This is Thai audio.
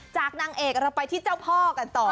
นางเอกเราไปที่เจ้าพ่อกันต่อ